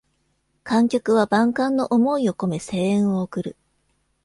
観客は万感の思いをこめ声援を送る